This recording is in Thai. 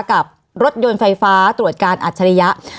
กับรถยนต์ไฟฟ้าตรวจการอัจฉริยะ